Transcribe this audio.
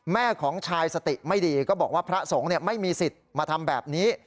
แม่ของชายสติไม่ดีก็บอกว่าพระสงฆ์ไม่มีสิทธิ์มาทำแบบนี้